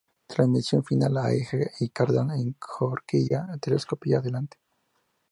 Transmisión final a eje y cardán y horquilla telescópica adelante.